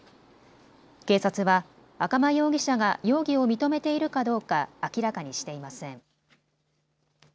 警察は赤間容疑者が容疑を認めているかどうか明らかにしていません。